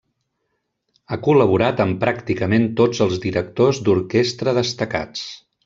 Ha col·laborat amb pràcticament tots els directors d'orquestra destacats.